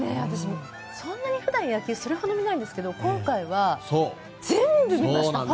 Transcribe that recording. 普段、野球それほど見ないんですけど今回は全部見ました。